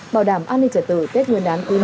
bảo đảm an ninh trật tự